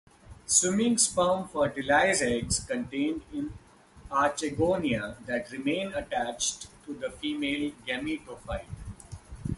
Swimming sperm fertilize eggs contained in archegonia that remain attached to the female gametophyte.